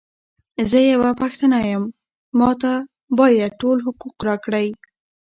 زۀ یوه پښتانه یم، ماته باید ټول حقوق راکړی!